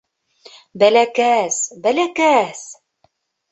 — Бәләкәс, бәләкәс.